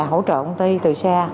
hỗ trợ công ty từ xa